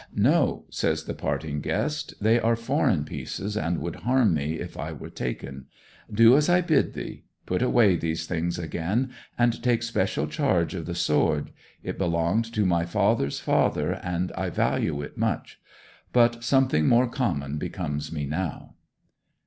'No,' says the parting guest; 'they are foreign pieces and would harm me if I were taken. Do as I bid thee. Put away these things again and take especial charge of the sword. It belonged to my father's father and I value it much. But something more common becomes me now.'